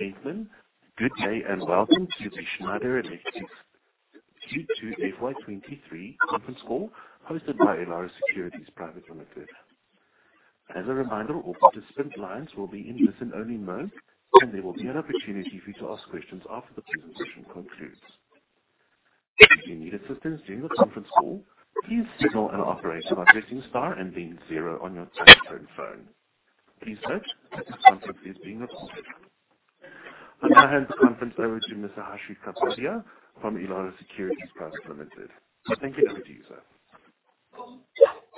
Ladies and gentlemen, good day and welcome to the Schneider Electric's Q2 FY 2023 conference call hosted by Elara Securities Private Limited. As a reminder, all participant lines will be in listen-only mode, and there will be an opportunity for you to ask questions after the presentation concludes. If you need assistance during the conference call, please signal an operator by pressing star and then zero on your telephone phone. Please note that this conference is being recorded. I'll now hand the conference over to Mr. Harshit Kapadia from Elara Securities Private Limited. Thank you. Over to you, sir.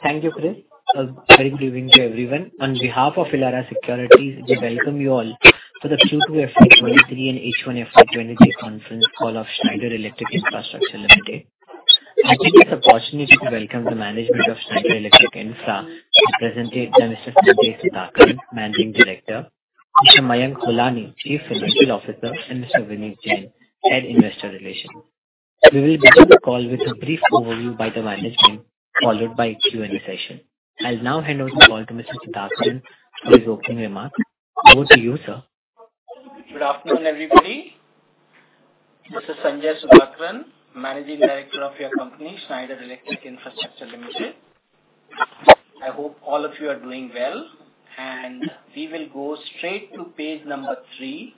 Thank you, Girish. A very good evening to everyone. On behalf of Elara Securities, we welcome you all to the Q2 FY 2023 and H1 FY 2023 conference call of Schneider Electric Infrastructure Limited. I take this opportunity to welcome the management of Schneider Electric Infrastructure, represented by Mr. Sanjay Sudhakaran, Managing Director, Mr. Mayank Holani, Chief Financial Officer, and Mr. Vineet Jain, Head Investor Relations. We will begin the call with a brief overview by the management, followed by a Q&A session. I'll now hand over the call to Mr. Sudhakaran for his opening remarks. Over to you, sir. Good afternoon, everybody. This is Sanjay Sudhakaran, Managing Director of your company, Schneider Electric Infrastructure Limited. I hope all of you are doing well, and we will go straight to page number three,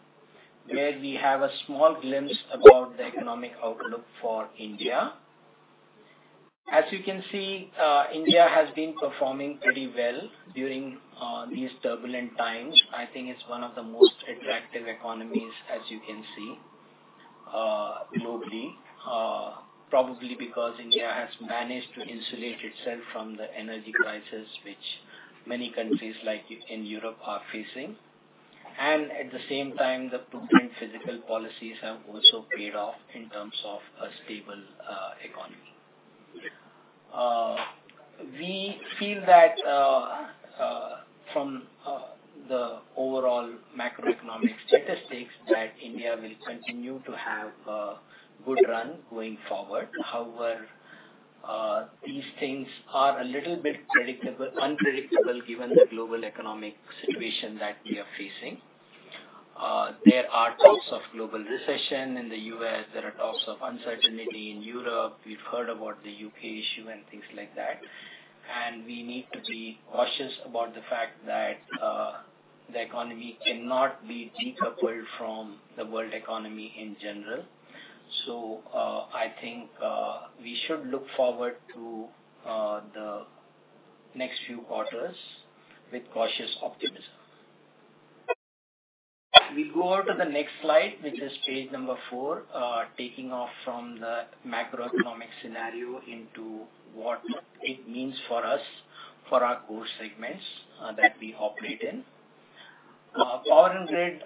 where we have a small glimpse about the economic outlook for India. As you can see, India has been performing pretty well during these turbulent times. I think it's one of the most attractive economies, as you can see, globally, probably because India has managed to insulate itself from the energy crisis, which many countries like in Europe are facing. At the same time, the prudent fiscal policies have also paid off in terms of a stable economy. We feel that from the overall macroeconomic statistics that India will continue to have a good run going forward. However, these things are a little bit unpredictable given the global economic situation that we are facing. There are talks of global recession in the U.S. There are talks of uncertainty in Europe. We've heard about the U.K. issue and things like that. We need to be cautious about the fact that the economy cannot be decoupled from the world economy in general. I think we should look forward to the next few quarters with cautious optimism. We go over to the next slide, which is page number four, taking off from the macroeconomic scenario into what it means for us, for our core segments that we operate in. Power and grid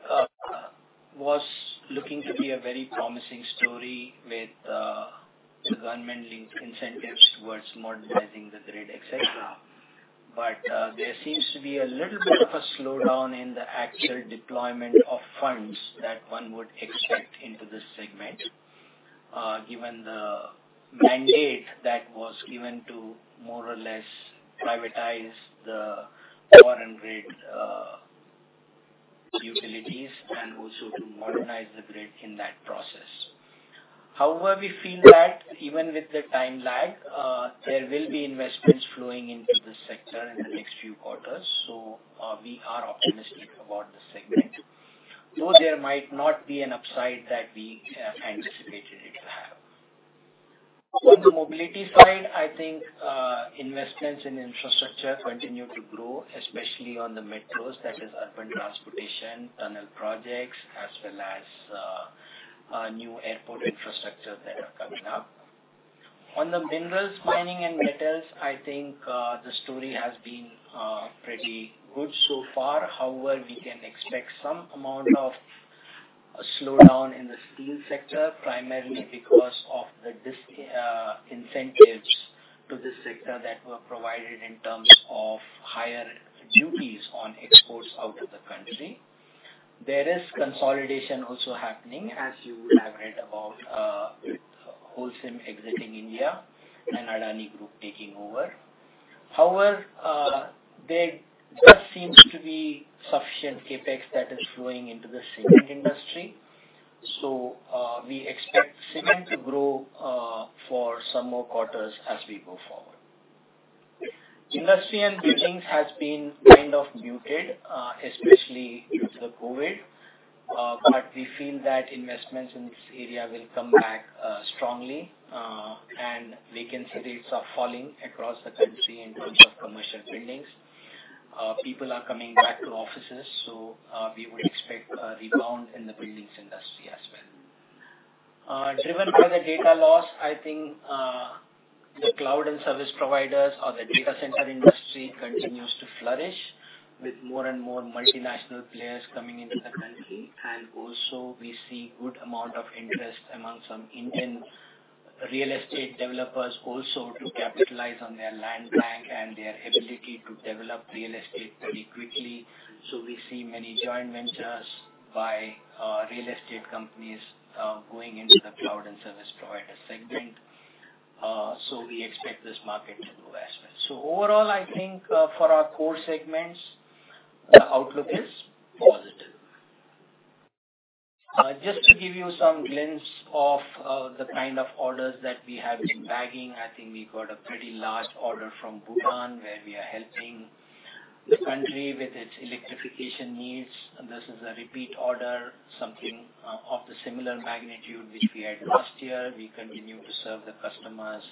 was looking to be a very promising story with the government-linked incentives towards modernizing the grid, et cetera. There seems to be a little bit of a slowdown in the actual deployment of funds that one would expect into this segment, given the mandate that was given to more or less privatize the power and grid, utilities and also to modernize the grid in that process. However, we feel that even with the time lag, there will be investments flowing into this sector in the next few quarters. We are optimistic about this segment, though there might not be an upside that we have anticipated it to have. On the mobility side, I think, investments in infrastructure continue to grow, especially on the metros, that is urban transportation, tunnel projects, as well as new airport infrastructure that are coming up. On the minerals, mining and metals, I think, the story has been pretty good so far. However, we can expect some amount of a slowdown in the steel sector, primarily because of the disincentives to this sector that were provided in terms of higher duties on exports out of the country. There is consolidation also happening, as you would have read about, Holcim exiting India and Adani Group taking over. However, there just seems to be sufficient CapEx that is flowing into the cement industry. We expect cement to grow for some more quarters as we go forward. Industry and buildings has been kind of muted, especially due to the COVID. We feel that investments in this area will come back strongly, and vacancy rates are falling across the country in terms of commercial buildings. People are coming back to offices, so we would expect a rebound in the buildings industry as well. Driven by the data laws, I think, the cloud and service providers or the data center industry continues to flourish with more and more multinational players coming into the country. Also we see good amount of interest among some Indian real estate developers also to capitalize on their land bank and their ability to develop real estate very quickly. We see many joint ventures by real estate companies going into the cloud and service provider segment. We expect this market to grow as well. Overall, I think, for our core segments, the outlook is positive. Just to give you some glimpse of the kind of orders that we have been bagging, I think we got a pretty large order from Bhutan where we are helping the country with its electrification needs. This is a repeat order, something of the similar magnitude which we had last year. We continue to serve the customers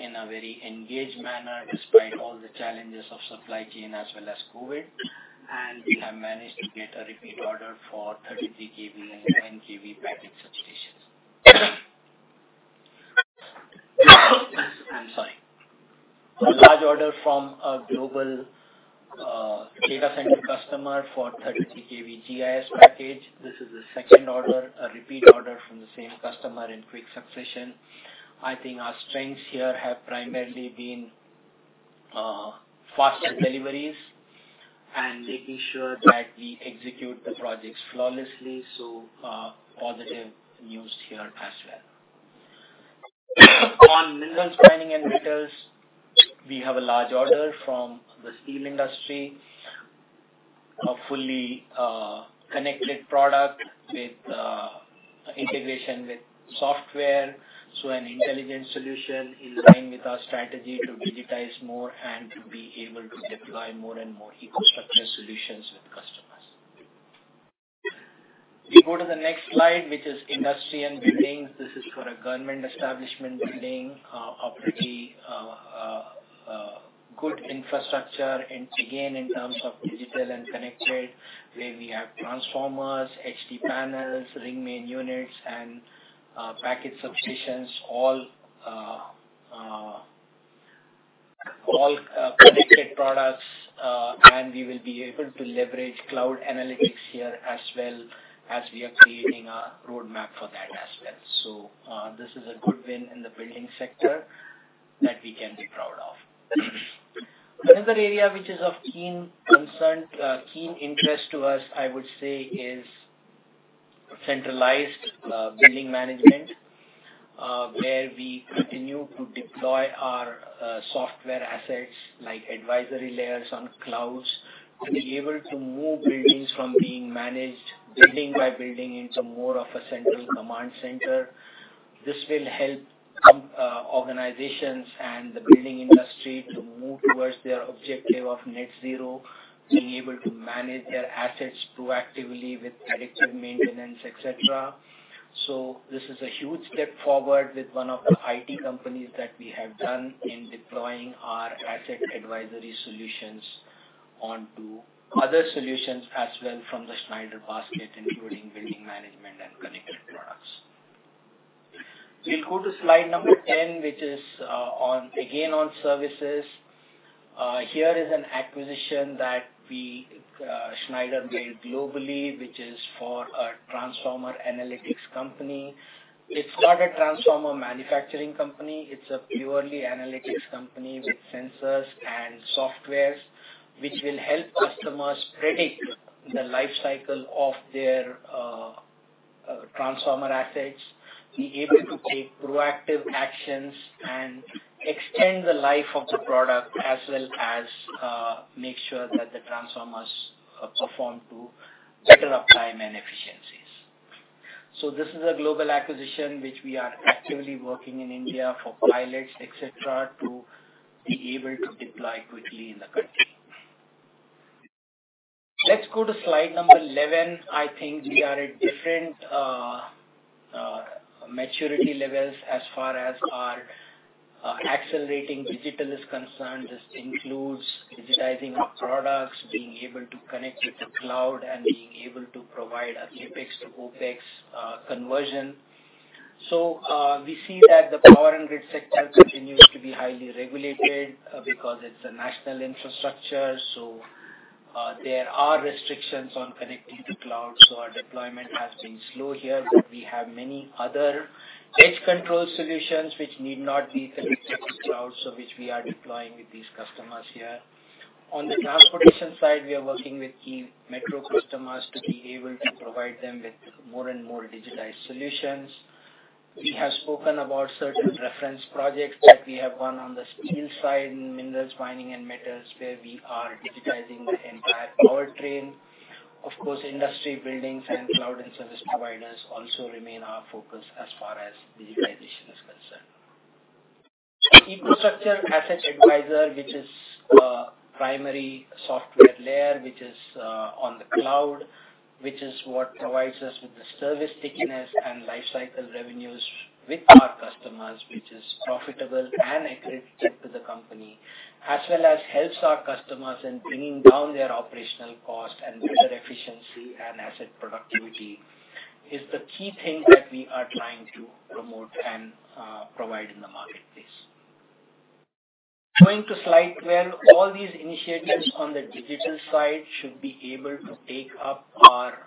in a very engaged manner despite all the challenges of supply chain as well as COVID. We have managed to get a repeat order for 33 kV and 10 kV package substations. A large order from a global data center customer for 33 kV GIS package. This is the second order, a repeat order from the same customer in quick succession. I think our strengths here have primarily been faster deliveries and making sure that we execute the projects flawlessly. Positive news here as well. On minerals mining and metals, we have a large order from the steel industry, a fully connected product with integration with software. An intelligent solution in line with our strategy to digitize more and to be able to deploy more and more EcoStruxure solutions with customers. We go to the next slide, which is industry and buildings. This is for a government establishment building operating good infrastructure. And again, in terms of digital and connected, where we have transformers, HV panels, Ring Main Units, and Package Substations, all connected products. And we will be able to leverage cloud analytics here as well as we are creating a roadmap for that as well. This is a good win in the building sector that we can be proud of. Another area which is of keen interest to us, I would say, is centralized building management, where we continue to deploy our software assets like advisory layers on clouds to be able to move buildings from being managed building by building into more of a central command center. This will help organizations and the building industry to move towards their objective of net zero, being able to manage their assets proactively with predictive maintenance, etc. This is a huge step forward with one of the IT companies that we have done in deploying our asset advisory solutions onto other solutions as well from the Schneider basket, including building management and connected products. We'll go to slide number 10, which is on services. Here is an acquisition that we, Schneider made globally, which is for a transformer analytics company. It's not a transformer manufacturing company. It's a purely analytics company with sensors and softwares which will help customers predict the life cycle of their transformer assets, be able to take proactive actions and extend the life of the product, as well as make sure that the transformers perform to better uptime and efficiencies. This is a global acquisition which we are actively working in India for pilots, etc, to be able to deploy quickly in the country. Let's go to slide number 11. I think we are at different maturity levels as far as our accelerating digital is concerned. This includes digitizing our products, being able to connect with the cloud, and being able to provide a CapEx to OpEx conversion. We see that the power and grid sector continues to be highly regulated, because it's a national infrastructure. There are restrictions on connecting to cloud, so our deployment has been slow here. We have many other edge control solutions which need not be connected to cloud, so which we are deploying with these customers here. On the transportation side, we are working with key metro customers to be able to provide them with more and more digitized solutions. We have spoken about certain reference projects that we have won on the steel side in minerals mining and metals, where we are digitizing the entire powertrain. Of course, industry buildings and cloud and service providers also remain our focus as far as digitalization is concerned. EcoStruxure Asset Advisor, which is a primary software layer, which is on the cloud, which is what provides us with the service stickiness and lifecycle revenues with our customers, which is profitable and accretive to the company, as well as helps our customers in bringing down their operational cost and better efficiency and asset productivity, is the key thing that we are trying to promote and provide in the marketplace. Going to slide 12. All these initiatives on the digital side should be able to take up our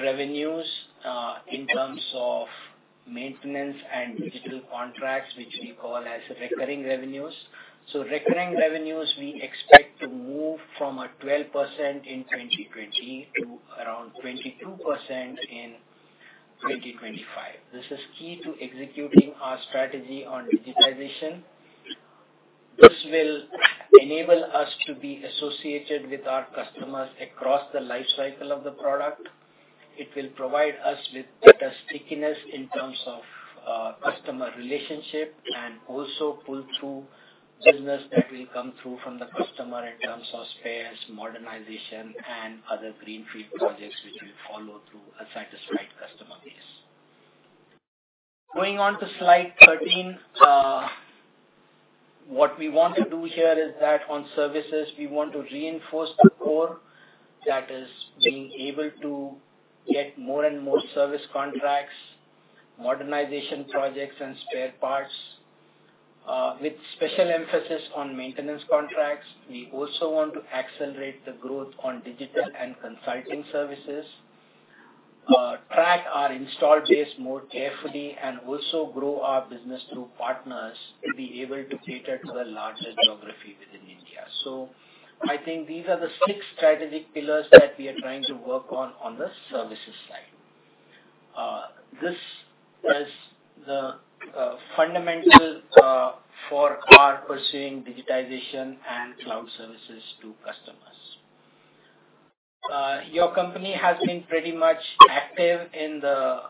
revenues in terms of maintenance and digital contracts, which we call as recurring revenues. Recurring revenues we expect from a 12% in 2020 to around 22% in 2025. This is key to executing our strategy on digitization. This will enable us to be associated with our customers across the life cycle of the product. It will provide us with better stickiness in terms of, customer relationship and also pull through business that will come through from the customer in terms of spares, modernization and other greenfield projects which will follow through a satisfied customer base. Going on to slide 13. What we want to do here is that on services, we want to reinforce the core that is being able to get more and more service contracts, modernization projects and spare parts, with special emphasis on maintenance contracts. We also want to accelerate the growth on digital and consulting services, track our installed base more carefully, and also grow our business through partners to be able to cater to the larger geography within India. I think these are the six strategic pillars that we are trying to work on the services side. This is the fundamental for our pursuing digitization and cloud services to customers. Your company has been pretty much active in the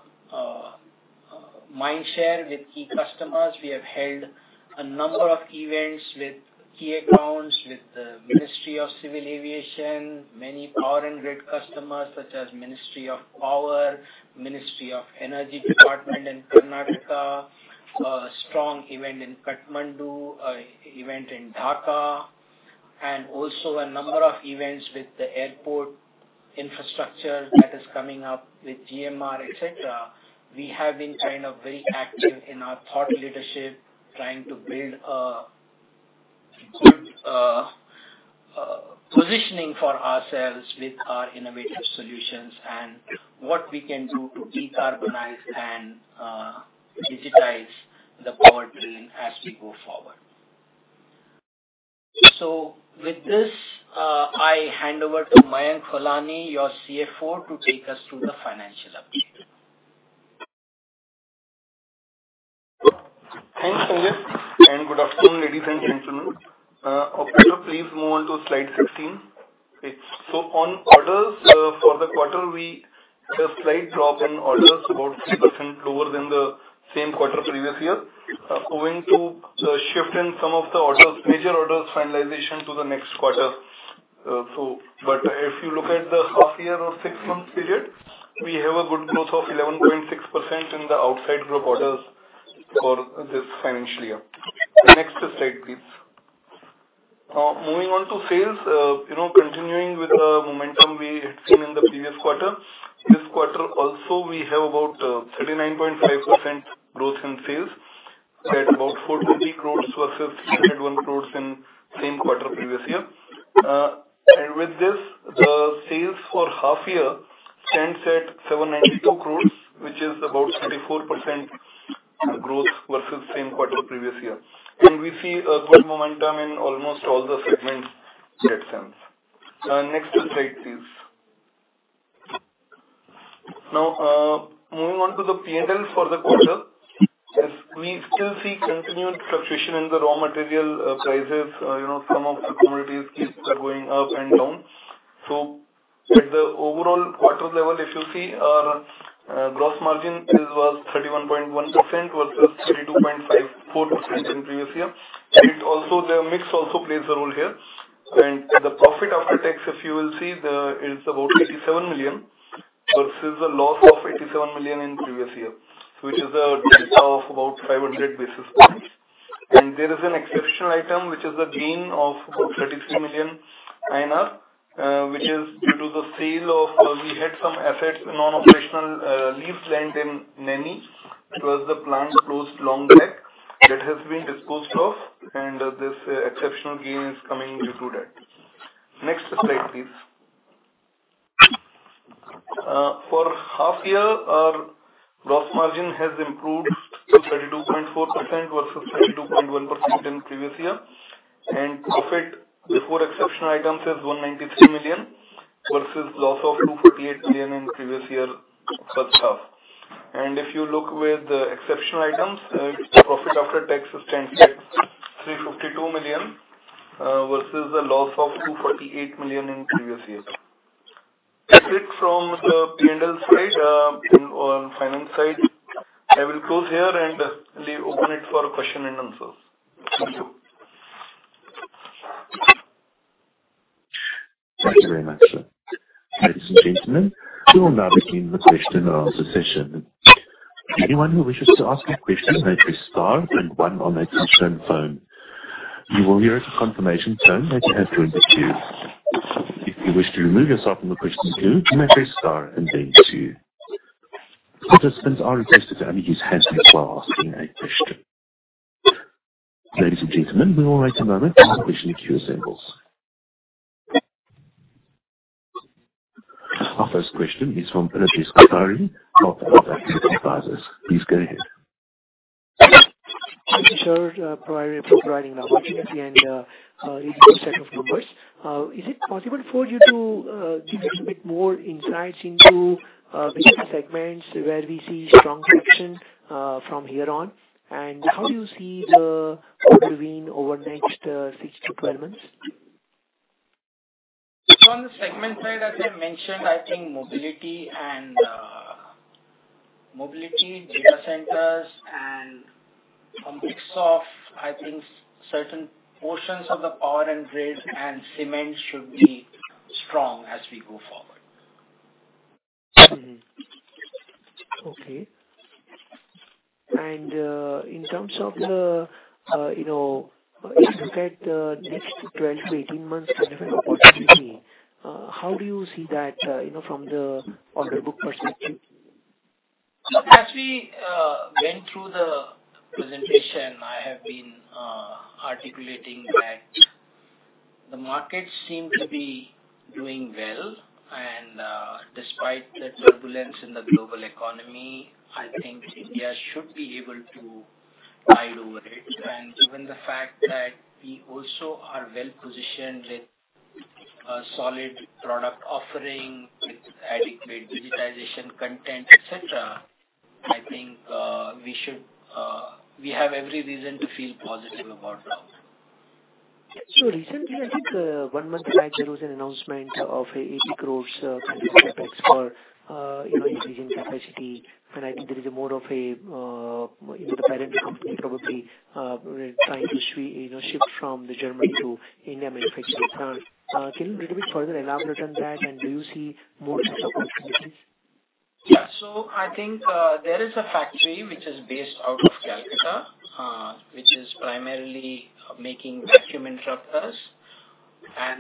mind share with key customers. We have held a number of events with key accounts, with the Ministry of Civil Aviation, many power and grid customers such as Ministry of Power, Energy Department, Government of Karnataka, a strong event in Kathmandu, an event in Dhaka, and also a number of events with the airport infrastructure that is coming up with GMR Group, et cetera. We have been kind of very active in our thought leadership, trying to build a good positioning for ourselves with our innovative solutions and what we can do to decarbonize and digitize the power grid as we go forward. With this, I hand over to Mayank Holani, your CFO, to take us through the financial update. Thanks, Sanjay Bali, and Good afternoon, ladies and gentlemen. Operator, please move on to slide 16. On orders, for the quarter, we had a slight drop in orders, about 3% lower than the same quarter previous year, owing to the shift in some of the orders, major orders finalization to the next quarter. If you look at the half year or six-month period, we have a good growth of 11.6% in the outside group orders for this financial year. Next slide, please. Moving on to sales. You know, continuing with the momentum we had seen in the previous quarter. This quarter also, we have about 39.5% growth in sales at about 420 crore versus 301 crore in same quarter previous year. With this, the sales for half year stands at 792 crore, which is about 34% growth versus same quarter previous year. We see a good momentum in almost all the segments that stands. Next slide, please. Now, moving on to the P&L for the quarter. As we still see continued fluctuation in the raw material prices, you know, some of the commodities keeps going up and down. At the overall quarter level, if you see our gross margin is, was 31.1% versus 32.54% in previous year. It also, the mix also plays a role here. The profit after tax, if you will see the, is about 87 million versus a loss of 87 million in previous year, which is a delta of about 500 basis points. There is an exceptional item which is a gain of about 33 million INR, which is due to the sale of, we had some assets non-operational, old plant in Naini. It was the plant closed long back that has been disposed of and this exceptional gain is coming due to that. Next slide, please. For half year, our gross margin has improved to 32.4% versus 32.1% in previous year. Profit before exceptional items is 193 million versus loss of 248 million in previous year first half. If you look with the exceptional items, profit after tax stands at 352 million, versus a loss of 248 million in previous year. That's it from the P&L side. On finance side, I will close here and leave it open for question and answers. Thank you. Thank you very much. Ladies and gentlemen, we will now begin the question and answer session. Anyone who wishes to ask a question may press star then one on their touch-tone phone. You will hear a confirmation tone that you have joined the queue. If you wish to remove yourself from the question queue, you may press star and then two. Participants are requested to un-mute themselves while asking a question. Ladies and gentlemen, we will wait a moment as the question queue assembles. Our first question is from Prashant Sanghvi of C.K.P. Advisors. Please go ahead. Thank you, sir, providing the opportunity and a good set of numbers. Is it possible for you to give us a bit more insights into which segments where we see strong traction from here on? How do you see the order win over next 6-12 months? On the segment side, as I mentioned, I think mobility and, mobility data centers and a mix of, I think, certain portions of the power and grid and cement should be strong as we go forward. Mm-hmm. Okay. In terms of, you know, if you look at the next 12-18 months delivery opportunity, how do you see that, you know, from the order book perspective? As we went through the presentation, I have been articulating that the market seems to be doing well and, despite the turbulence in the global economy, I think India should be able to tide over it. Given the fact that we also are well-positioned with a solid product offering with adequate digitization content, et cetera, I think we have every reason to feel positive about now. Recently, I think, one month back there was an announcement of 80 crores in CapEx for increasing capacity. I think there is a more of a, you know, the parent company probably trying to you know, shift from the Germany to India manufacturing plant. Can you little bit further elaborate on that, and do you see more such opportunities? Yeah. I think there is a factory which is based out of Calcutta, which is primarily making vacuum interrupters.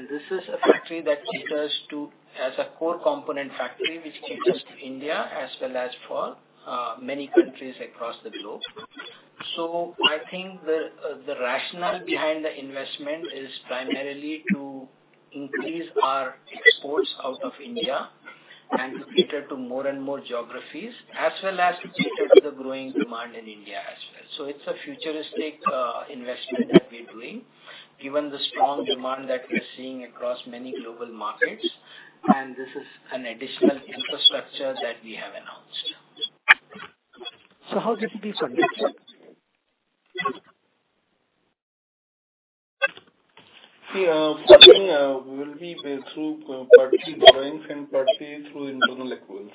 This is a factory that caters to as a core component factory which caters to India as well as for many countries across the globe. I think the rationale behind the investment is primarily to increase our exports out of India and to cater to more and more geographies as well as to cater to the growing demand in India as well. It's a futuristic investment that we're doing given the strong demand that we're seeing across many global markets, and this is an additional infrastructure that we have announced. How did you conduct? Yeah. Funding will be based through partly borrowings and partly through internal accruals.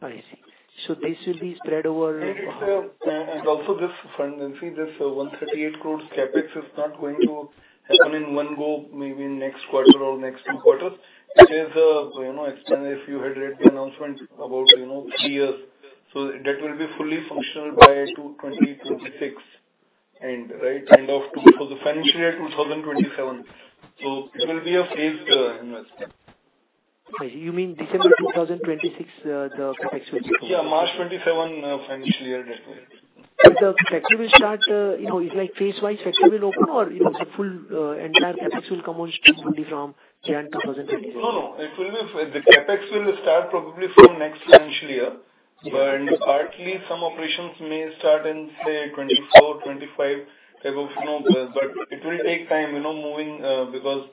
Oh, I see. This will be spread over. It's also this fund. You see this 138 crores CapEx is not going to happen in one go, maybe next quarter or next two quarters. It is, you know, expansion. If you had read the announcement about, you know, three years. That will be fully functional by 2026 end, right? End of 2026. So the financial year 2027. It will be a phased investment. You mean December 2026, the CapEx will be over. Yeah, March 27 financial year, definitely. The factory will start, you know, it's like phase-wide factory will open or, you know, the full, entire CapEx will come out fully from January 2027? No. The CapEx will start probably from next financial year. Yes. Partly some operations may start in, say, 2024-2025 type of, you know, but it will take time, you know, because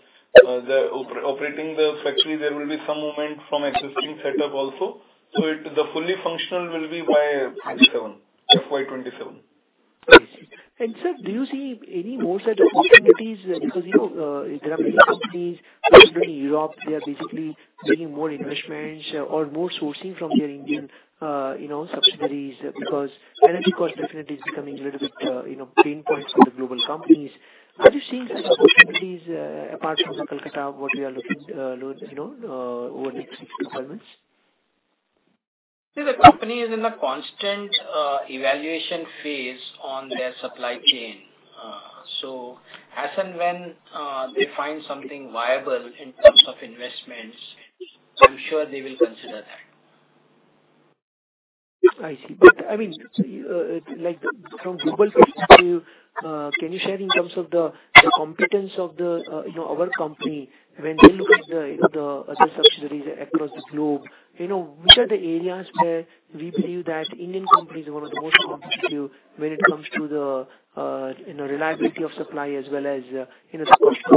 operating the factory there will be some movement from existing setup also. The fully functional will be by 2027, FY 2027. I see. Sir, do you see any more such opportunities? Because, you know, there are many companies, especially in Europe, they are basically making more investments or more sourcing from their Indian, you know, subsidiaries because energy cost definitely is becoming a little bit, you know, pain points for the global companies. Are you seeing such opportunities, apart from the Calcutta, what we are looking, you know, over next 6-12 months? The company is in a constant evaluation phase on their supply chain. As and when they find something viable in terms of investments, I'm sure they will consider that. I see. I mean, like from global perspective, can you share in terms of the competence of the, you know, our company when they look at the, you know, the other subsidiaries across the globe? You know, which are the areas where we believe that Indian companies are one of the most competitive when it comes to the, you know, reliability of supply as well as, you know, cost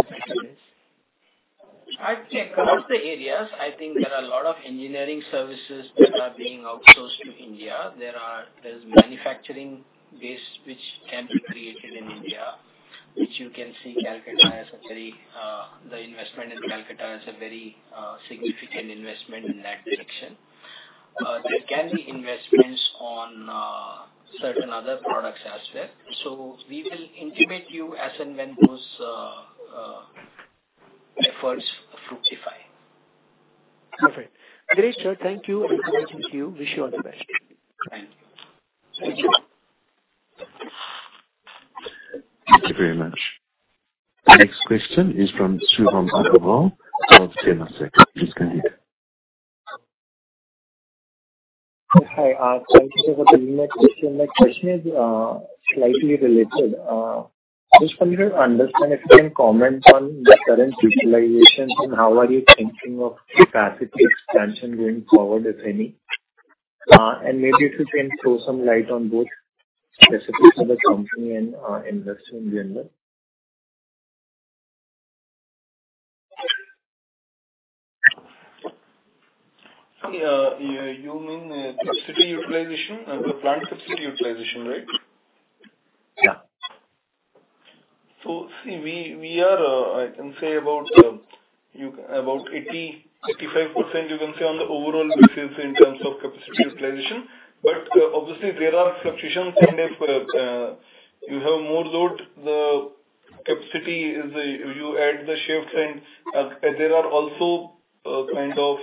competitiveness? I'd say across the areas, I think there are a lot of engineering services that are being outsourced to India. There's manufacturing base which can be created in India, the investment in Calcutta is a very significant investment in that direction. There can be investments on certain other products as well. We will intimate you as and when those efforts fructify. Perfect. Great, sir. Thank you and good luck to you. Wish you all the best. Thank you. Thank you. Thank you very much. The next question is from Shivam Agarwal of Kotak Sec. Please go ahead. Hi, thank you, sir, for the You mean, capacity utilization, the plant capacity utilization, right? Yeah. See, we are, I can say about 80-85% you can say on the overall basis in terms of capacity utilization. Obviously there are fluctuations and if you have more load, the capacity is, you add the shifts and there are also kind of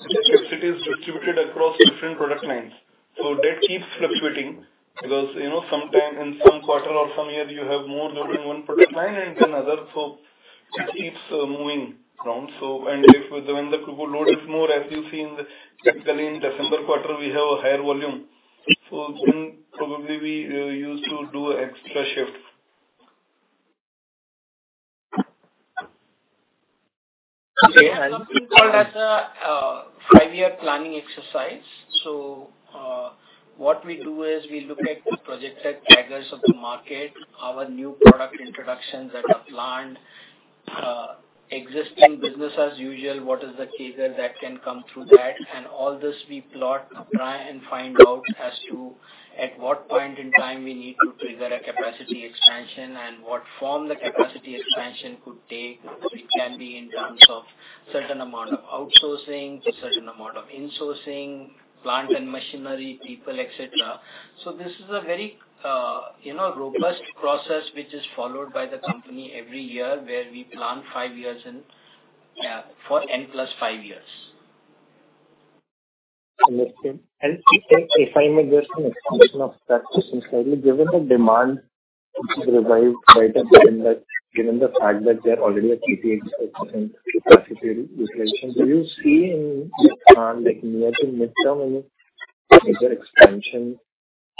capacities distributed across different product lines. That keeps fluctuating because, you know, sometimes in some quarter or some year you have more load in one product line and then other. It keeps moving around. If the load is more, as you see in the typical December quarter we have a higher volume. Then probably we used to do extra shift. Okay. As a five-year planning exercise. What we do is we look at the projected drivers of the market, our new product introductions that are planned, existing business as usual, what is the teaser that can come through that. All this we plot, try and find out as to at what point in time we need to trigger a capacity expansion and what form the capacity expansion could take. It can be in terms of certain amount of outsourcing, certain amount of insourcing, plant and machinery, people, et cetera. This is a very, you know, robust process which is followed by the company every year, where we plan five years in, yeah, for N plus five years. Understood. If I may just an extension of that just slightly. Given the demand, which is revised quite a bit, and that given the fact that they're already at 88% capacity utilization, do you see any like near to midterm any major expansion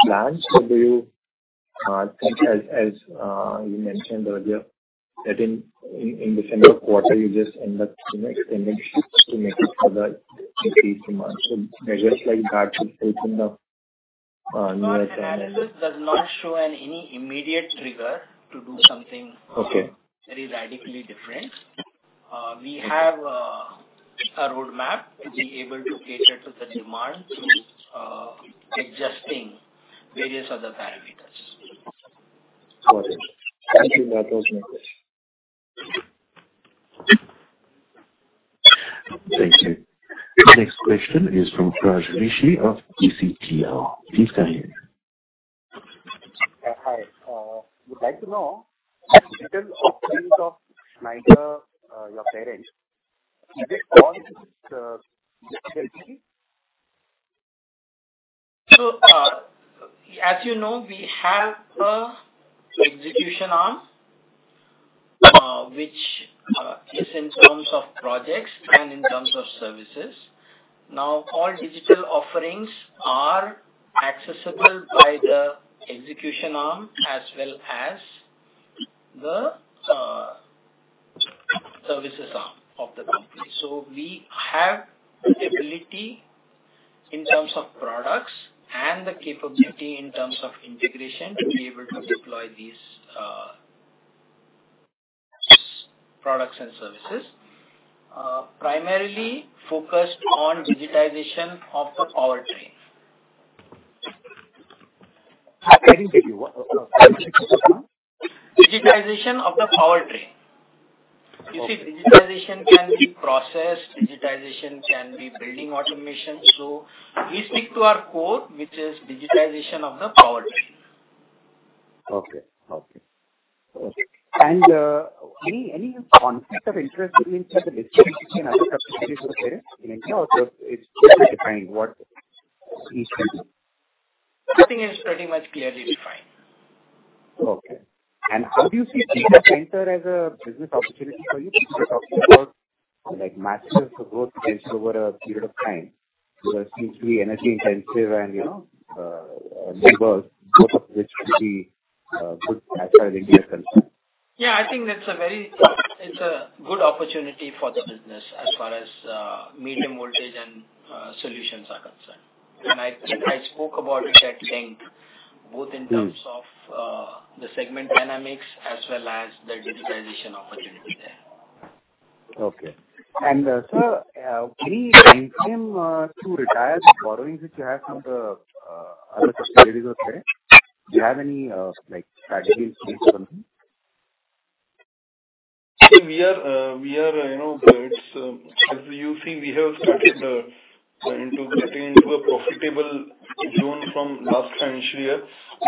plans or do you think as you mentioned earlier that in the December quarter you just end up, you know, extending shifts to make it for the increased demand. Measures like that should take in the near term. Analysis does not show any immediate trigger to do something. Okay. Very radically different. We have a roadmap to be able to cater to the demand, adjusting various other parameters. Got it. Thank you. That was my question. Thank you. The next question is from Prajeshbhai Rishi of TCTR. Please go ahead. Hi. Would like to know of Schneider, your parent. Is it all digital only? As you know, we have an execution arm, which is in terms of projects and in terms of services. Now all digital offerings are accessible by the execution arm as well as the services arm of the company. We have the ability in terms of products and the capability in terms of integration to be able to deploy these products and services, primarily focused on digitization of the power train. I didn't get you. What? Digitization of what? Digitization of the power train. Okay. You see, digitization can be processed, digitization can be building automation. We stick to our core, which is digitization of the power train. Okay. Any conflict of interest between say the distribution and other subsidiaries of parent in India, or it's clearly defined what each can do? Nothing is pretty much clearly defined. Okay. How do you see data center as a business opportunity for you? People are talking about like massive growth rates over a period of time. That seems to be energy intensive and, you know, labor, both of which could be good as far as India is concerned. Yeah, I think that's a very good opportunity for the business as far as medium voltage and solutions are concerned. I spoke about it at length, both in terms of the segment dynamics as well as the digitization opportunity there. Okay. Sir, any plan to retire the borrowings which you have from the other subsidiaries of parent? Do you have any like strategy in place or something? We are, you know, it's as you see, we have started back into a profitable zone from last financial year.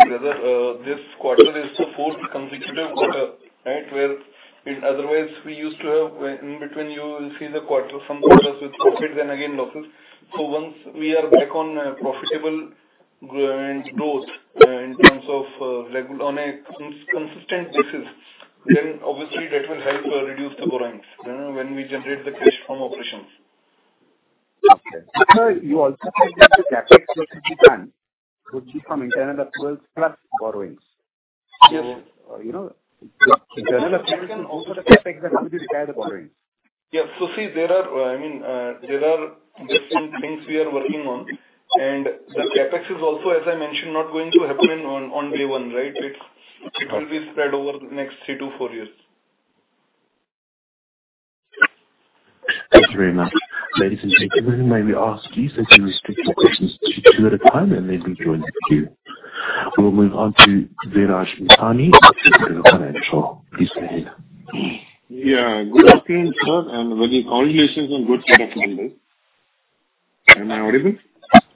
Rather, this quarter is the fourth consecutive quarter, right, wherein otherwise we used to have, in between you will see the quarter, some quarters with profits and again losses. Once we are back on profitable and growth in terms of, like on a consistent basis, then obviously that will help reduce the borrowings, you know, when we generate the cash from operations. Okay. Sir, you also said that the CapEx which will be done would be from internal accruals plus borrowings. Yes. you know, internal accruals and also the CapEx that will be to retire the borrowings. See, there are, I mean, different things we are working on. The CapEx is also, as I mentioned, not going to happen on day one, right? It will be spread over the next 3-4 years. Thank you very much. Ladies and gentlemen, may we ask you if you can restrict your questions to two at a time, and they'll be joined with you. We'll move on to Viraj Mithani of Financial Express. Please go ahead. Yeah. Good afternoon, sir, and really congratulations on good set of numbers. Am I audible?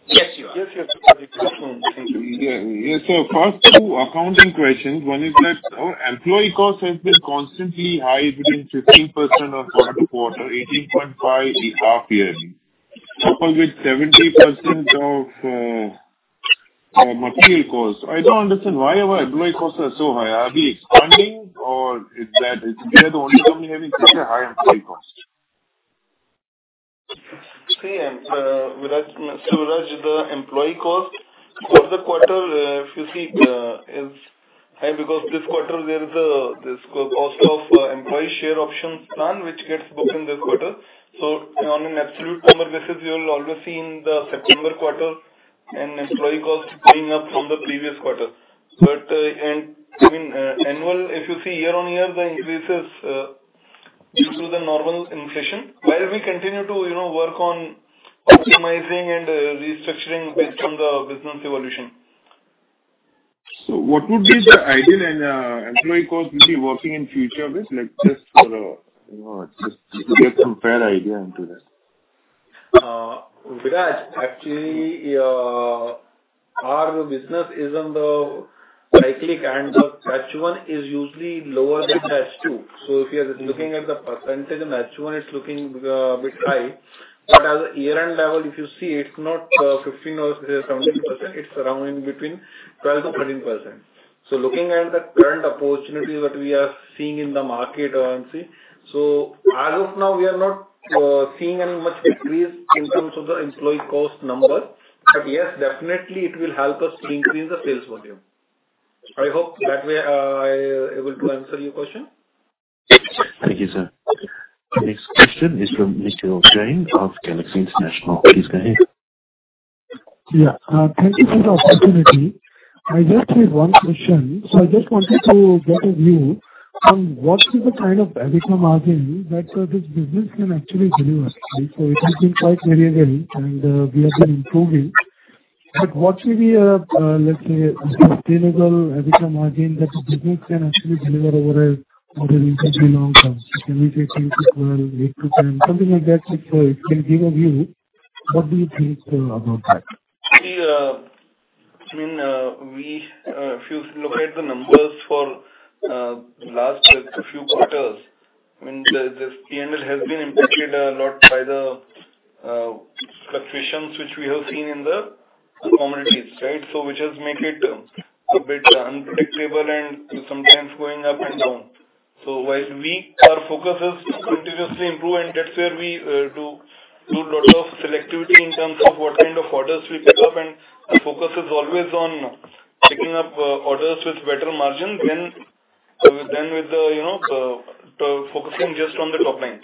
Yes, you are. Yes, yes. First two accounting questions. One is that our employee cost has been constantly high between 15% quarter to quarter, 18.5 half yearly, coupled with 70% of material cost. I don't understand why our employee costs are so high. Are we expanding or is that we are the only company having such a high employee cost? Viraj, the employee cost for the quarter, if you see, is high because this quarter there is a cost of employee share options plan which gets booked in this quarter. On an absolute number basis, you'll always see in the September quarter an employee cost going up from the previous quarter. I mean, annually, if you see year on year, the increase is in tune with the normal inflation. While we continue to, you know, work on optimizing and restructuring based on the business evolution. What would be the ideal and, employee cost will be working in future, Vis? Like, just for a, you know, just to get some fair idea into this. Viraj, actually, our business is on the cyclical and the H1 is usually lower than H2. If you are looking at the percentage in H1, it's looking a bit high. As a year-end level, if you see, it's not 15% or 17%, it's around in between 12%-13%. Looking at the current opportunities that we are seeing in the market. As of now, we are not seeing any much increase in terms of the employee cost number. Yes, definitely it will help us to increase the sales volume. I hope that way I'm able to answer your question. Thank you, sir. The next question is from Lokesh Jain of Galaxy International. Please go ahead. Yeah. Thank you for the opportunity. I just have one question. I just wanted to get a view on what is the kind of EBITDA margin that this business can actually deliver. It has been quite variable and we have been improving. What will be a sustainable EBITDA margin that the business can actually deliver over a reasonably long term? Can we say 10%-12%, 8%-10%, something like that, so it can give a view. What do you think about that? If you look at the numbers for last few quarters, I mean, the P&L has been impacted a lot by the fluctuations which we have seen in the commodities, right? Which has made it a bit unpredictable and sometimes going up and down. While our focus is to continuously improve, and that's where we do a lot of selectivity in terms of what kind of orders we pick up. Our focus is always on picking up orders with better margin rather than just focusing on the top line.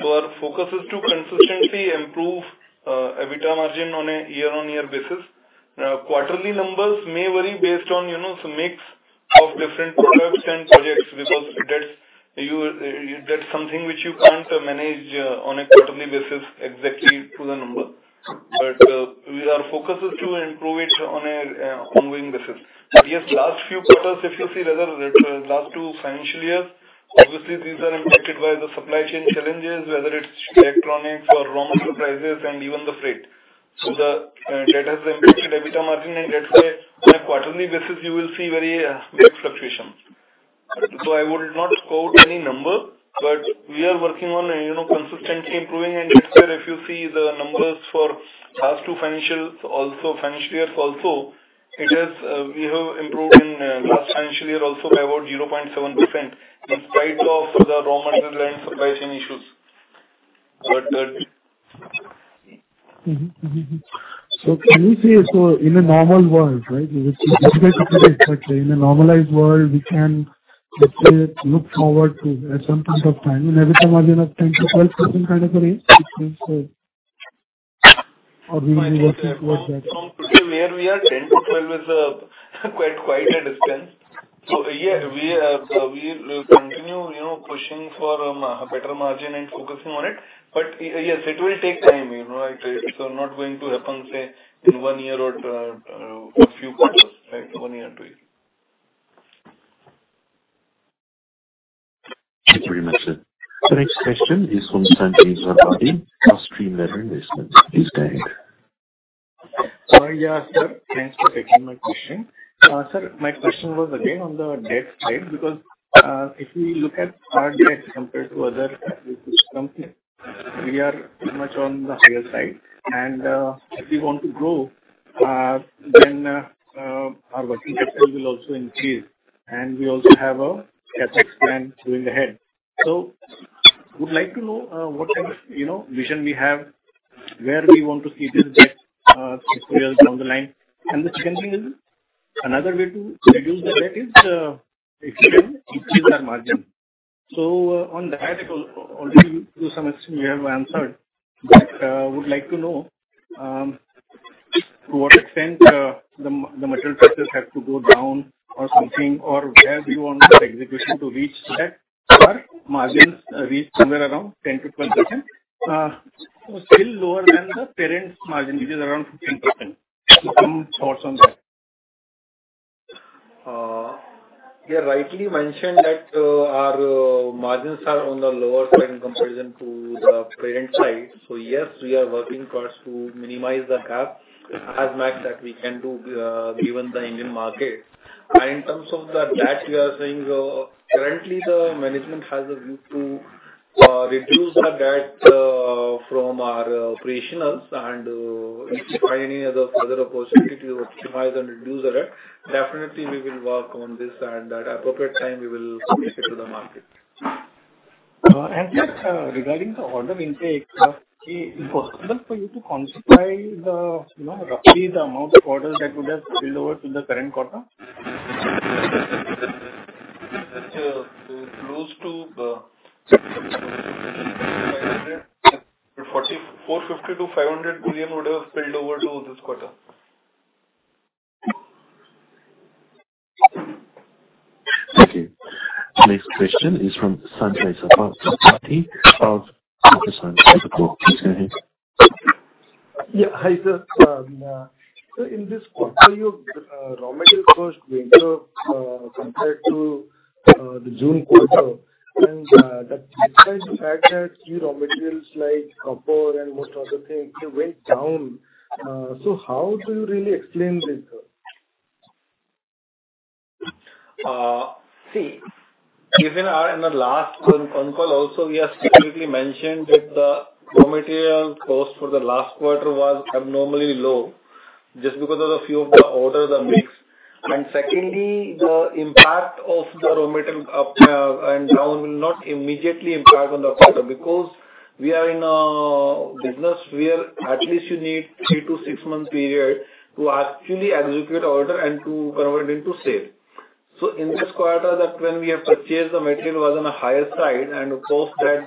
Our focus is to consistently improve EBITDA margin on a year-on-year basis. Quarterly numbers may vary based on, you know, some mix of different products and projects because that's something which you can't manage on a quarterly basis exactly to the number. Our focus is to improve it on an ongoing basis. Yes, last few quarters, if you see whether it's last two financial years, obviously these are impacted by the supply chain challenges, whether it's electronics or raw material prices and even the freight. That has impacted EBITDA margin, and that's why on a quarterly basis you will see very big fluctuations. I would not quote any number, but we are working on, you know, consistently improving. That's where if you see the numbers for last two financial years, we have improved in last financial year also by about 0.7%, in spite of the raw material and supply chain issues. Can you say, so in a normal world, right, which is difficult to say, but say in a normalized world, we can, let's say, look forward to at some point of time, an EBITDA margin of 10%-12% kind of a range it seems. We will be working towards that. From where we are, 10%-12% is quite a distance. Yeah, we will continue, you know, pushing for a better margin and focusing on it. Yes, it will take time, you know. It's not going to happen, say, in one year or a few quarters, right? One year or two years. Thank you very much, sir. The next question is from Sanjay Zaveri, Castree Leather Investments. Please go ahead. Yeah, sir. Thanks for taking my question. Sir, my question was again on the debt side because if you look at our debt compared to other companies, we are pretty much on the higher side. If we want to grow, then our working capital will also increase. We also have a CapEx plan going ahead. Would like to know what kind of, you know, vision we have, where we want to see this debt three, four years down the line. The second thing is, another way to reduce the debt is if we can increase our margin. On that, already to some extent you have answered, but, would like to know, to what extent, the material prices have to go down or something, or where do you want the execution to reach that our margins reach somewhere around 10%-12%. Still lower than the parent margin, which is around 15%. Some thoughts on that. You have rightly mentioned that our margins are on the lower side in comparison to the parent side. Yes, we are working towards to minimize the gap as much as we can do, given the Indian market. In terms of the debt we are saying, currently the management has a view to reduce our debt from our operations and if we find any other further opportunity to optimize and reduce the debt, definitely we will work on this and at appropriate time we will communicate to the market. Just regarding the order intake, is it possible for you to quantify the, you know, roughly the amount of orders that would have spilled over to the current quarter? That's close to 450 million-500 million would have spilled over to this quarter. Thank you. Next question is from Sanjay Sapra of Kotak Securities. Go ahead. Yeah. Hi, sir. In this quarter, your raw material cost went up compared to the June quarter, and that despite the fact that key raw materials like copper and most of the things went down. How do you really explain this, sir? See, even in the last con-call also, we have specifically mentioned that the raw material cost for the last quarter was abnormally low just because of the few of the order, the mix. Secondly, the impact of the raw material up and down will not immediately impact on the quarter because we are in a business where at least you need 3-6 month period to actually execute order and to convert into sale. In this quarter that when we have purchased the material was on a higher side and post that,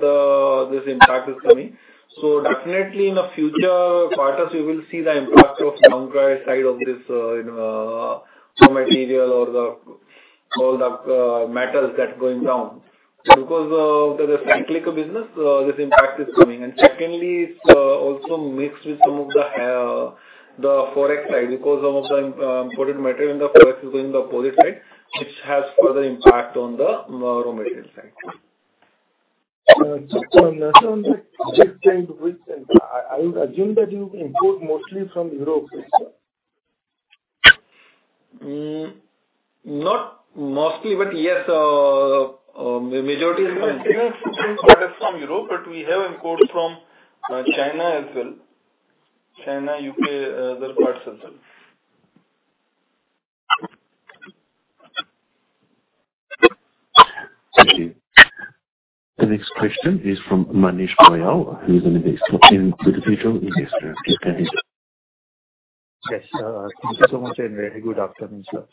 this impact is coming. Definitely in the future quarters you will see the impact of downside of this, you know, raw material or all the metals that are going down. Because of the cyclical business, this impact is coming. Secondly, it's also mixed with some of the Forex side because some of the imported material in the Forex is going the opposite side, which has further impact on the raw material side. Just on the shift change with central, I would assume that you import mostly from Europe. Is that so? Not mostly, but yes, majority is from- Majority of products from Europe, but we have import from China as well. U.K, other parts also. Thank you. The next question is from Manish Goyal, who is an analyst in Multibagger Securities Research & Advisory Pvt. Ltd. Yes, go ahead. Yes. Thank you so much and very good afternoon, sir.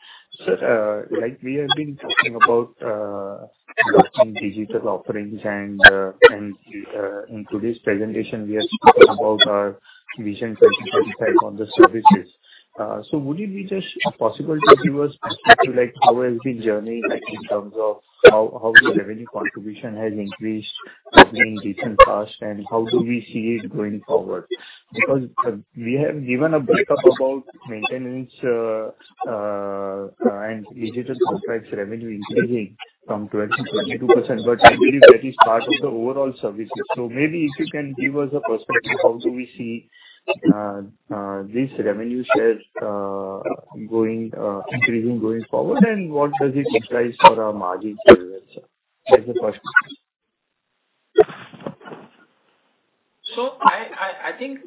Sir, like we have been talking about, investing digital offerings and, in today's presentation we are speaking about our Vision 2025 on the services. Would it be just possible to give us perspective like how has been journey like in terms of how the revenue contribution has increased, I mean, recent past and how do we see it going forward? Because, we have given a break up about maintenance and digital subscribers revenue increasing from 12%-22%. I believe that is part of the overall services. Maybe if you can give us a perspective, how do we see this revenue shares going increasing going forward and what does it imply for our margin share as well, sir? That's the first question. I think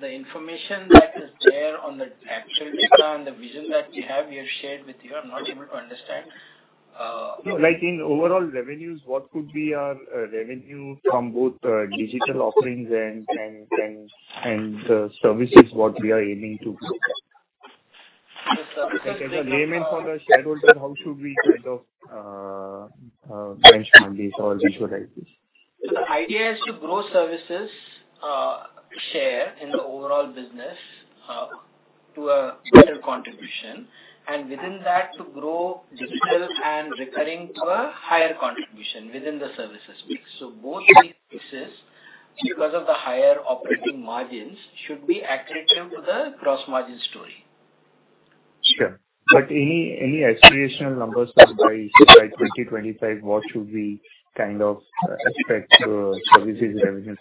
the information that is there on the actual data and the vision that we have, we have shared with you. I'm not able to understand. No, like in overall revenues, what could be our revenue from both digital offerings and services? What we are aiming to grow Yes, sir. Like, as a layman for the shareholder, how should we kind of benchmark this or visualize this? The idea is to grow services share in the overall business to a better contribution and within that to grow digital and recurring to a higher contribution within the services mix. Both the cases because of the higher operating margins should be accretive to the gross margin story. Sure. Any aspirational numbers like by 2025, what should we kind of expect services revenue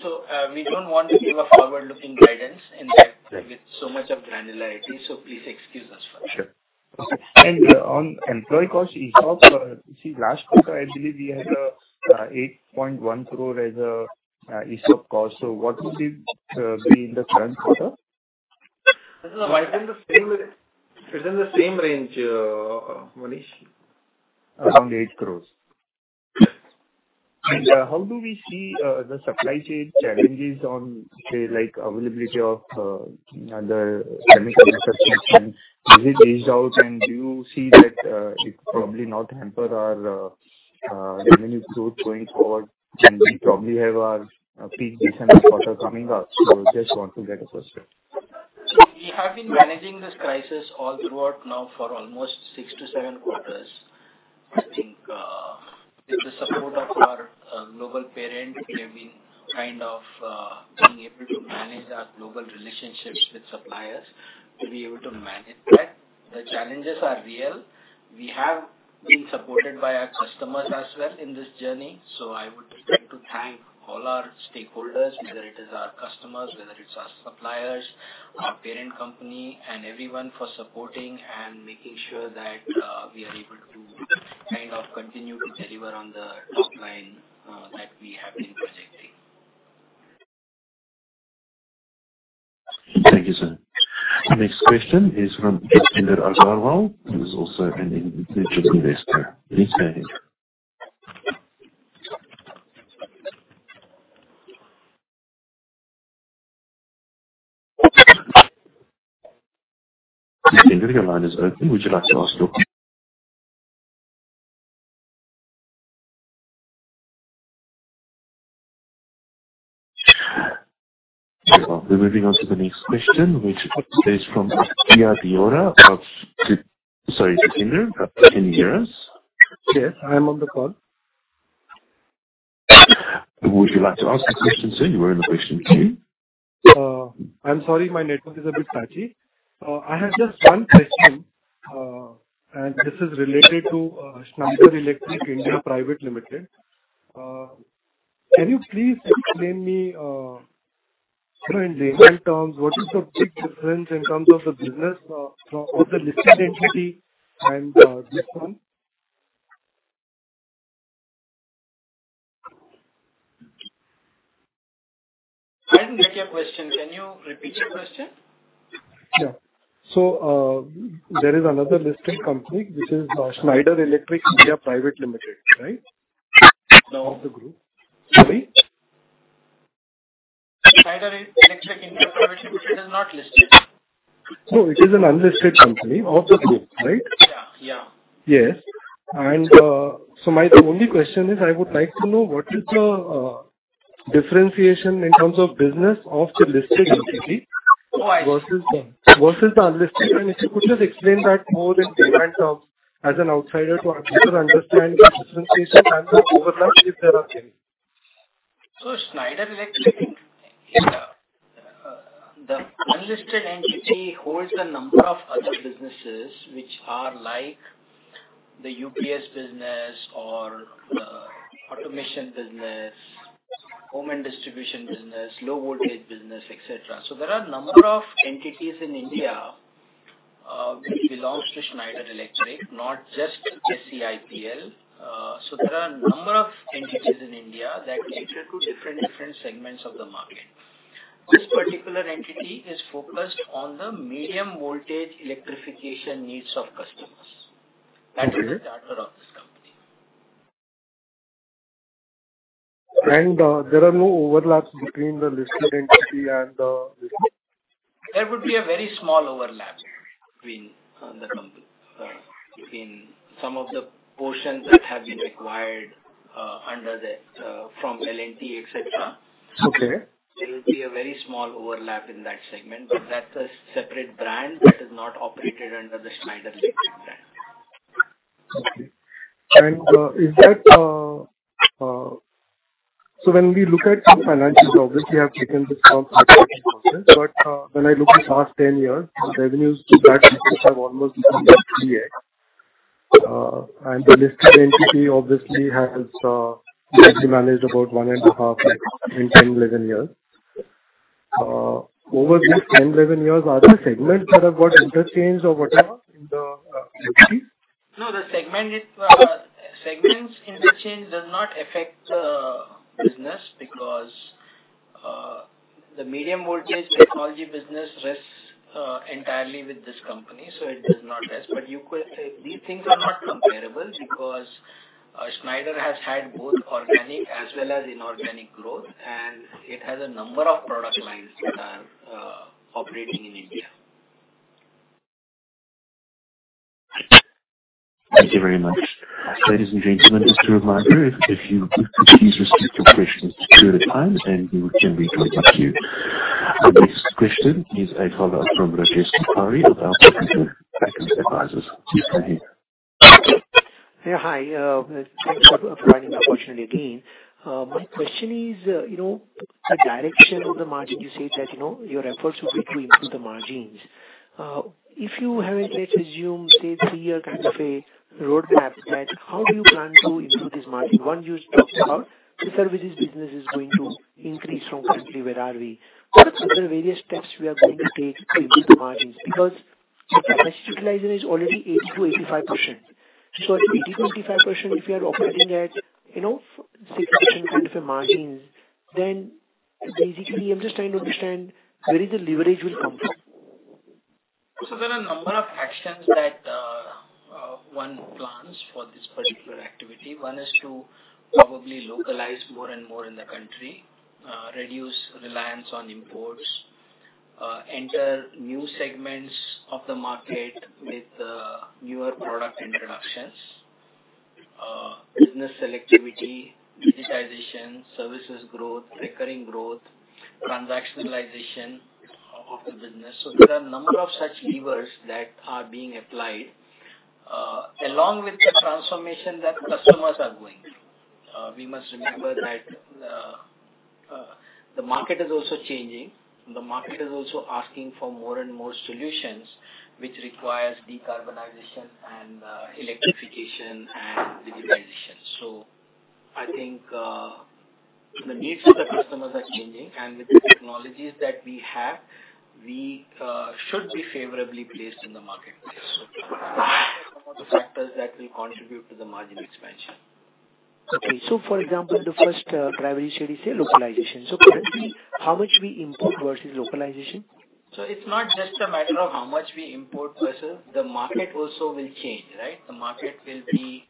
to look like? We don't want to give a forward-looking guidance in that. Right. With so much of granularity, so please excuse us for that. Sure. On employee cost ESOP, you see last quarter, I believe we had 8.1 crore as a ESOP cost. What would it be in the current quarter? It's in the same range, Manish. Around 8 crores. How do we see the supply chain challenges on, say, like, availability of other chemical substance? Is it eased out, and do you see that it probably not hamper our revenue growth going forward? We probably have our peak December quarter coming up, so just want to get a perspective. We have been managing this crisis all throughout now for almost 6-7 quarters. I think, with the support of our global parent, we have been kind of being able to manage our global relationships with suppliers to be able to manage that. The challenges are real. We have been supported by our customers as well in this journey, so I would like to thank all our stakeholders, whether it is our customers, whether it's our suppliers, our parent company, and everyone for supporting and making sure that we are able to kind of continue to deliver on the top line that we have been projecting. Thank you, sir. The next question is from Jasdeep Agarwal, who is also an individual investor. Please go ahead. Jasvinder, your line is open. Would you like to ask your Okay. We're moving on to the next question, which is from Piya Diora Sorry, Jasvinder. Can you hear us? Yes, I am on the call. Would you like to ask your question, sir? You are in the queue. I'm sorry, my network is a bit patchy. I have just one question, and this is related to Schneider Electric India Private Limited. Can you please explain me, you know, in layman's terms, what is the big difference in terms of the business of the listed entity and this one? I didn't get your question. Can you repeat your question? Sure. There is another listed company which is Schneider Electric India Private Limited, right? Of the group. Sorry? Schneider Electric India Private Limited is not listed. No, it is an unlisted company of the group, right? Yeah. Yeah. Yes. My only question is I would like to know what is the differentiation in terms of business of the listed entity versus the unlisted. If you could just explain that more in layman terms as an outsider to actually understand the differentiation and the overlap, if there are any. Schneider Electric India, the unlisted entity holds a number of other businesses which are like the UPS business or, automation business, home and distribution business, low voltage business, et cetera. There are number of entities in India, which belongs to Schneider Electric, not just SEIPL. There are a number of entities in India that cater to different segments of the market. This particular entity is focused on the medium voltage electrification needs of customers. Mm-hmm. That is the charter of this company. There are no overlaps between the listed entity and the unlisted? There would be a very small overlap between the company in some of the portions that have been acquired from L&T, etc. Okay. There will be a very small overlap in that segment, but that's a separate brand that is not operated under the Schneider Electric brand. When we look at the financials, obviously I've taken this call. When I look at the past 10 years, the revenues today have almost become 3x. The listed entity obviously has only managed about 1.5x in 10, 11 years. Over these 10, 11 years, are there segments that have got interchanged or whatever in the entity? No, the segments interchange does not affect the business because the medium voltage technology business rests entirely with this company, so it does not rest. You could say these things are not comparable because Schneider has had both organic as well as inorganic growth, and it has a number of product lines that are operating in India. Thank you very much. Ladies and gentlemen, just a reminder, if you could please restrict your questions to query time, and we will gently come back to you. Our next question is a follow-up from Prashant Sanghvi of CKP Advisors. Please go ahead. Yeah, hi. Thanks for providing the opportunity again. My question is, you know, the direction of the margin. You say that, you know, your efforts will be to improve the margins. If you have, let's assume, say, a three-year kind of a roadmap, right, how do you plan to improve this margin? One, you talked about the services business is going to increase from currently where are we. What are the various steps we are going to take to improve the margins? Because the capacity utilization is already 80%-85%. So at 80%-85%, if you are operating at, you know, 6% kind of a margins, then basically I'm just trying to understand where the leverage will come from. There are a number of actions that one plans for this particular activity. One is to probably localize more and more in the country, reduce reliance on imports, enter new segments of the market with newer product introductions, business selectivity, digitization, services growth, recurring growth, transactionalization of the business. There are a number of such levers that are being applied along with the transformation that customers are going through. We must remember that the market is also changing. The market is also asking for more and more solutions which requires decarbonization and electrification and digitalization. I think the needs of the customers are changing, and with the technologies that we have, we should be favorably placed in the market. Those are some of the factors that will contribute to the margin expansion. Okay. For example, the first driver you said is localization. Currently how much we import versus localization? It's not just a matter of how much we import versus. The market also will change, right? The market will be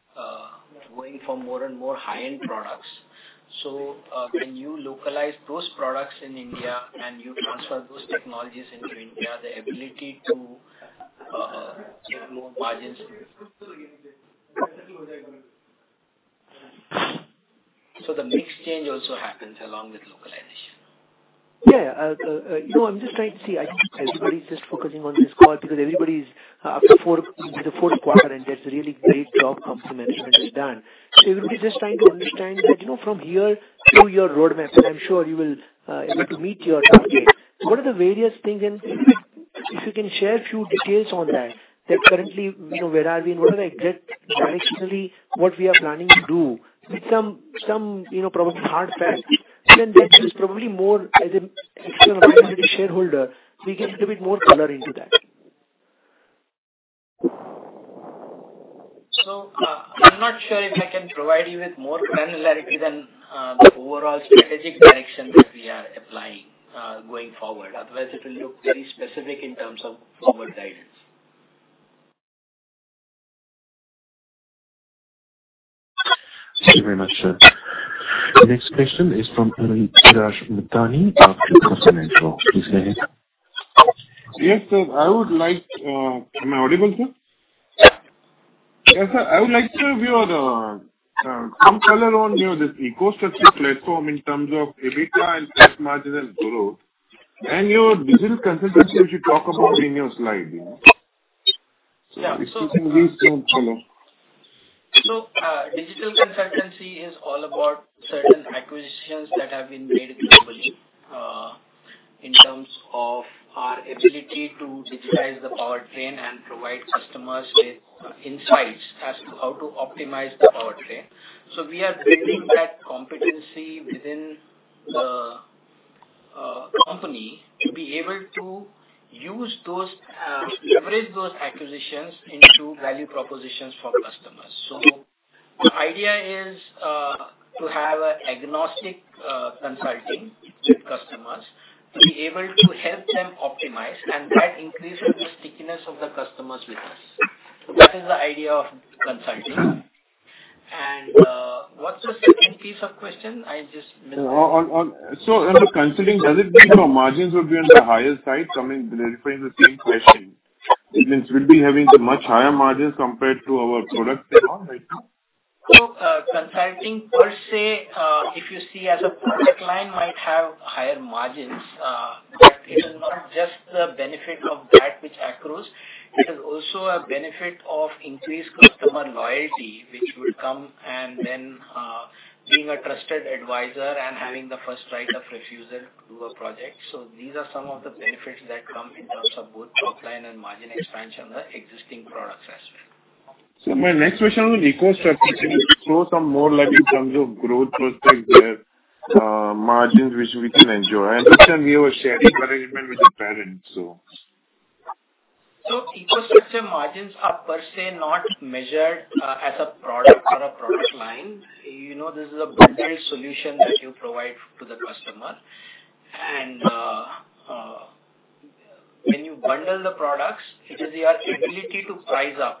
going for more and more high-end products. When you localize those products in India and you transfer those technologies into India, the ability to get more margins. The mix change also happens along with localization. Yeah. You know, I'm just trying to see. I think everybody's just focusing on this call because everybody's up for the fourth quarter, and there's a really great job of management is done. Everybody's just trying to understand that, you know, from here to your roadmap, and I'm sure you will able to meet your target. What are the various things and if you can share a few details on that currently, you know, where are we and what are the exact directionally what we are planning to do with some, you know, probably hard facts. Then that is probably more as a minority shareholder, we get a little bit more color into that. I'm not sure if I can provide you with more granularity than the overall strategic direction that we are applying going forward. Otherwise, it will look very specific in terms of forward guidance. Thank you very much, sir. The next question is from Viraj Shah of Jupiter Financial. Please go ahead. Yes, sir. I would like Am I audible, sir? Yes, sir. I would like to have your some color on your this ecosystem platform in terms of EBITDA and gross margin and growth and your digital consultancy which you talk about in your slide. Yeah. If you can give some color. Digital consultancy is all about certain acquisitions that have been made globally, in terms of our ability to digitize the powertrain and provide customers with insights as to how to optimize the powertrain. We are building that competency within the company to be able to use those, leverage those acquisitions into value propositions for customers. The idea is to have an agnostic consulting with customers to be able to help them optimize, and that increases the stickiness of the customers with us. That is the idea of consulting. What's the second piece of question? I just missed that. Under consulting, does it mean your margins would be on the higher side? I mean, referring to the same question. It means we'll be having a much higher margin compared to our product right now. Consulting per se, if you see as a product line might have higher margins, but it is not just the benefit of that which accrues. It is also a benefit of increased customer loyalty, which will come and then being a trusted advisor and having the first right of refusal to a project. These are some of the benefits that come in terms of both top line and margin expansion on the existing products as well. My next question on ecosystem, can you throw some more light in terms of growth prospects there, margins which we can enjoy? This time we have a shared arrangement with the parent. Ecosystem margins are per se not measured as a product or a product line. You know, this is a bundled solution that you provide to the customer. When you bundle the products, it is your ability to price up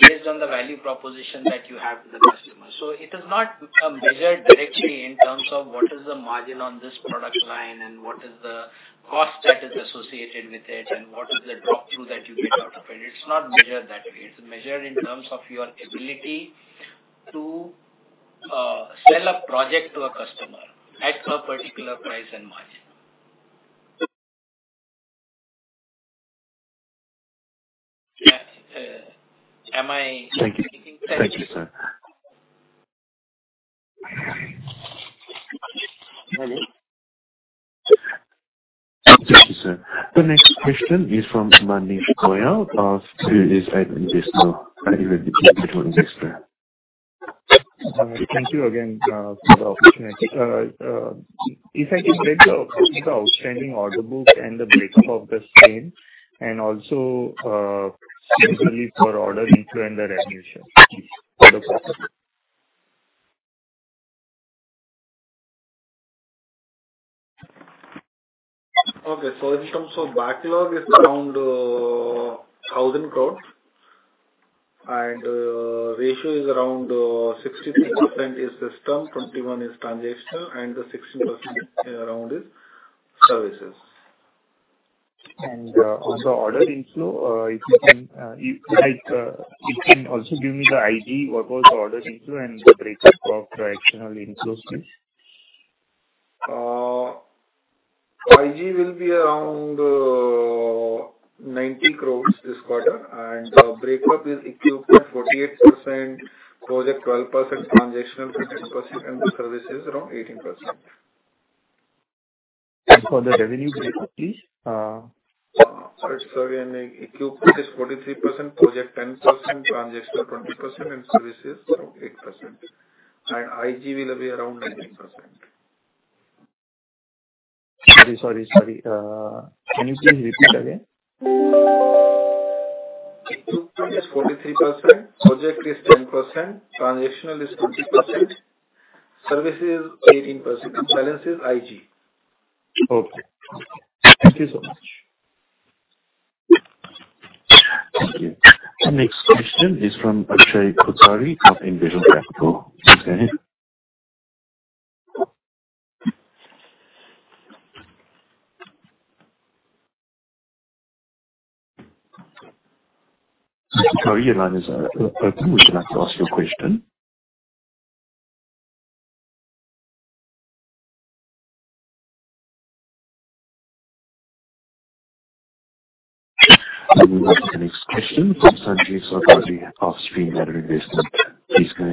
based on the value proposition that you have to the customer. It is not measured directly in terms of what is the margin on this product line and what is the cost that is associated with it and what is the drop-through that you get out of it. It's not measured that way. It's measured in terms of your ability to sell a project to a customer at a particular price and margin. Am I making sense? Thank you. Thank you, sir. Thank you, sir. The next question is from Manish Goyal of Series Investment Bank. Thank you again for the opportunity. If I can break the outstanding order book and the breakup of the same and also separately for order inflow and the revenue. In terms of backlog is around 1,000 crore and ratio is around 63% is system, 21 is transactional, and 16% around is services. On the order inflow, if you can also give me the Intergroup work orders order inflow and the breakup of transactional inflows, please. Intergroup will be around 90 crore this quarter and breakup is equipment 48%, project 12%, transactional 16%, and the service is around 18%. For the revenue breakup, please. Sorry. Equipment is 43%, project 10%, transactional 20%, and service is around 8%. Intergroup will be around 19%. Sorry. Can you please repeat again? Equipment is 43%, project is 10%, transactional is 20%, service is 18%, and balance is Intergroup. Okay. Thank you so much. Thank you. The next question is from Akshay Kothari of Envision Capital. Akshay? Sorry, your line is open. Would you like to ask your question? Let me move to the next question from Sanjay Zaveri of Stream Energy Business. Please go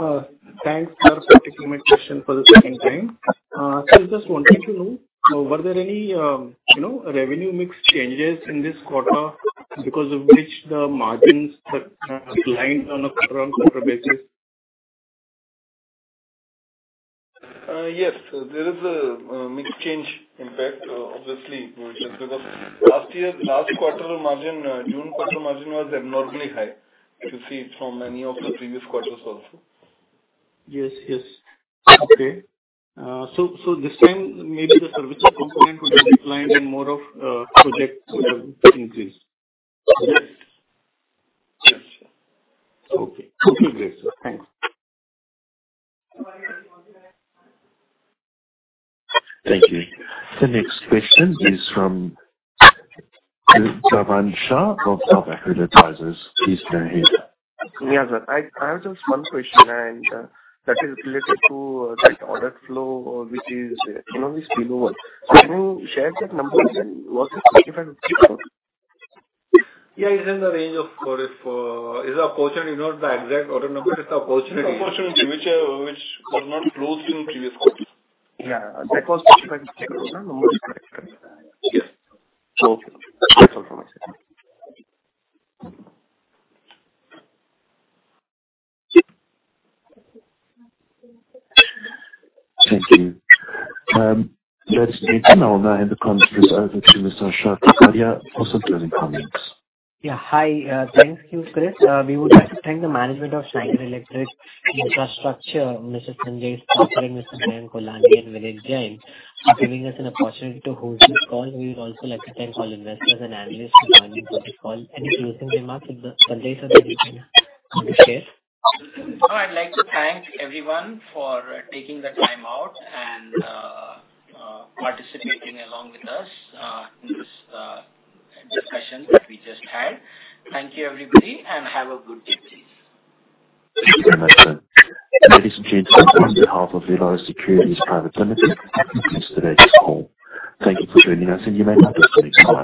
ahead. Thanks for taking my question for the second time. Just wanted to know, were there any, you know, revenue mix changes in this quarter because of which the margins declined on a quarter-on-quarter basis? Yes. There is a mix change impact, obviously because last year, last quarter margin, June quarter margin was abnormally high. If you see it from any of the previous quarters also. Yes, yes. Okay. This time maybe the services component would be declined and more of, project would have increased. Yes. Yes, sure. Okay. Hope you're great, sir. Thanks. Thank you. The next question is from Chirag Shah of Self Advertisers. Please go ahead. Yeah, sir. I have just one question and that is related to that order flow, which is, you know, is spillover. Can you share that numbers and what is significant spillover? Yeah, it's in the range of quarter. It's the opportunity, not the exact order number. It's the opportunity. Opportunity which was not closed in previous quarters. Yeah. That was 55% number. Yes. Okay. That's all from my side. Thank you. Ladies and gentlemen, I hand the conference over to Mr. Harshit Kapadia for some closing comments. Yeah. Hi, thank you, Chris. We would like to thank the management of Schneider Electric Infrastructure, Mr. Sanjay Sudhakaran, Mr. Mayank Holani, and Vineet Jain for giving us an opportunity to host this call. We would also like to thank all investors and analysts for joining the call. Any closing remarks, if Sanjay, sir, that you can share. I'd like to thank everyone for taking the time out and participating along with us in this discussion that we just had. Thank you, everybody, and have a good day. Thank you very much, sir. Ladies and gentlemen, on behalf of Elara Securities Private Limited, I thank you for this call. Thank you for joining us, and you may now disconnect your line.